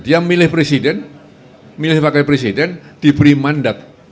dia milih presiden milih pakai presiden diberi mandat